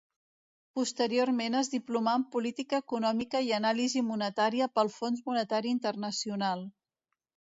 Posteriorment es diplomà en Política Econòmica i Anàlisi Monetària pel Fons Monetari Internacional.